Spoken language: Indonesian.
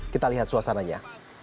kita lihat suasananya